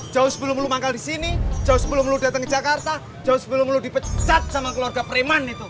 jauh sebelum lo manggal disini jauh sebelum lo datang ke jakarta jauh sebelum lo dipecat sama keluarga preman itu